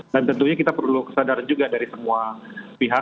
dan tentunya kita perlu kesadaran juga dari semua pihak